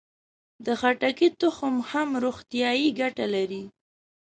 د خټکي تخم هم روغتیایي ګټه لري.